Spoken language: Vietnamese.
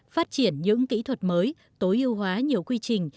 phát triển những kỹ thuật mới tối ưu hóa nhiều quy trình